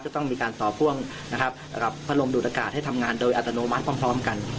จะต้องมีการต่อพ่วงนะครับพัดลมดูดอากาศให้ทำงานโดยอัตโนมัติพร้อมกัน